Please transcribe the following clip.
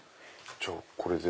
じゃあこれで。